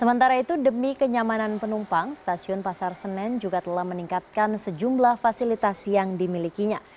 sementara itu demi kenyamanan penumpang stasiun pasar senen juga telah meningkatkan sejumlah fasilitas yang dimilikinya